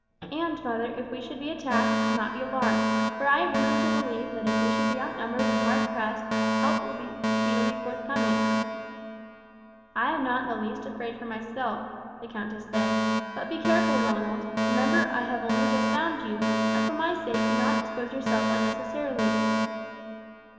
And, mother, if we should be attacked, do not be alarmed, for I have reason to believe that if we should be outnumbered and hard pressed, help will speedily be forthcoming." "I am not in the least afraid for myself," the countess said; "but be careful, Ronald. Remember I have only just found you, and for my sake do not expose yourself unnecessarily."